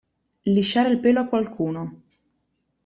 Lisciare il pelo a qualcuno.